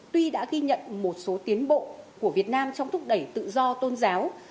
tuy đã ghi nhận một số tiến bộ của việt nam trong thúc đẩy tự do tôn giáo